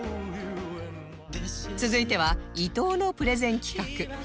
続いては伊藤のプレゼン企画